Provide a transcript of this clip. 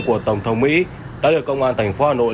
của tổng thống mỹ đã được công an thành phố hà nội